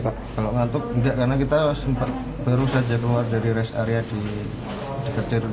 kalau ngantuk tidak karena kita baru saja keluar dari res area di daerah cirebon